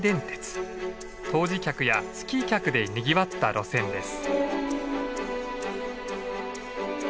湯治客やスキー客でにぎわった路線です。